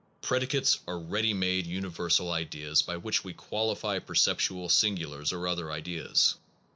Predicates are ready made uni versal ideas by which we qualify perceptual singulars or other ideas.